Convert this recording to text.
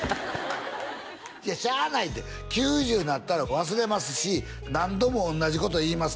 いやしゃあないって９０になったら忘れますし何度も同じこと言います